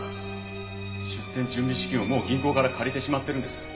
出店準備資金をもう銀行から借りてしまってるんです。